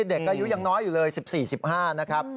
เด็กอายุยังน้อยอยู่เลย๑๔๑๕นะครับ